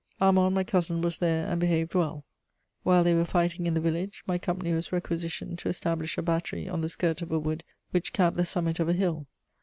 Armand, my cousin, was there and behaved well. While they were fighting in the village, my company was requisitioned to establish a battery on the skirt of a wood which capped the summit of a hill.